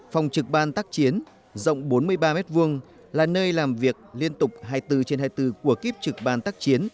phòng trực ban tác chiến rộng bốn mươi ba m hai là nơi làm việc liên tục hai mươi bốn trên hai mươi bốn của kiếp trực ban tác chiến